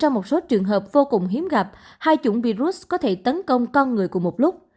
trong một số trường hợp vô cùng hiếm gặp hai chủng virus có thể tấn công con người cùng một lúc